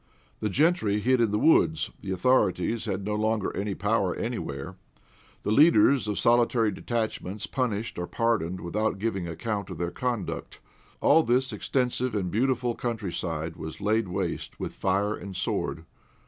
The gentry hid in the woods; the authorities had no longer any power anywhere; the leaders of solitary detachments punished or pardoned without giving account of their conduct. All this extensive and beautiful country side was laid waste with fire and sword.